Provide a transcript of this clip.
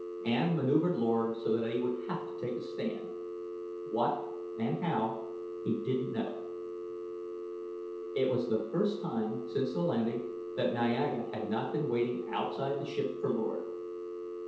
Ann maneuvered Lord so that he would have to take a stand. What and how, he didn't know. It was the first time since the landing that Niaga had not been waiting outside the ship for Lord.